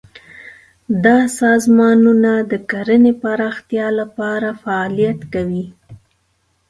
دا سازمانونه د کرنې پراختیا لپاره فعالیت کوي.